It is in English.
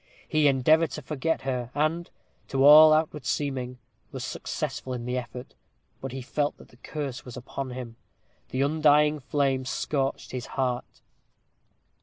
He endeavored to forget her, and, to all outward seeming, was successful in the effort. But he felt that the curse was upon him; the undying flame scorched his heart.